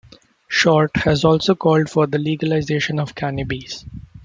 Short has also called for the legalisation of cannabis.